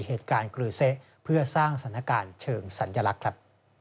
เหตุการณ์กรือเซะเพื่อสร้างสถานการณ์เชิงสัญลักษณ์ครับ